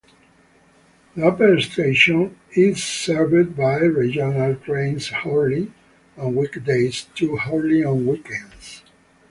The upper station is served by regional trains hourly on weekdays, two-hourly on weekends.